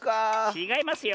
ちがいますよ。